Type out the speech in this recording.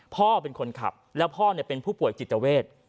พ่อเป็นคนขับแล้วพ่อเป็นผู้ป่วยจิตเวท